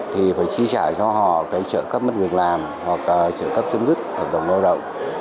thì phải trị trả cho họ cái trợ cấp mất việc làm hoặc trợ cấp xứng đứt hợp đồng lao động